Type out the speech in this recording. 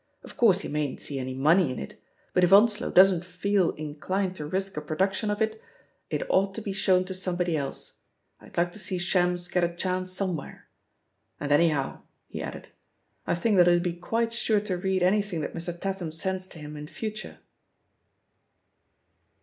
Of course he mayn't see any money in it. But if Onslow doesn't feel in t80 qHEE POSITION OP PEGGY HARPEB dined to risk a production of it, it ought to be fihown to somebody else — ^I'd like to see Shams get a chance somewhere. And anyhow/' he added, ''I think that he'll be quite sure to read anything that Mr. Tatham tends to him in for ture.